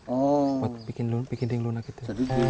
oh buat bikin piting lunak itu